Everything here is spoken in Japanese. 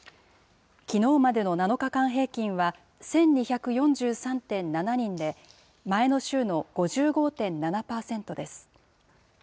きのうまでの７日間平均は１２４３．７人で、前の週の５５．７％です。